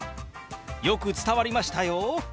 よく伝わりましたよ！